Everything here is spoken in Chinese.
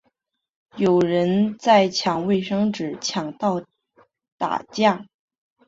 有人在抢卫生纸抢到打架